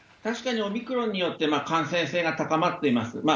確かにオミクロンによって感染性が高まっています。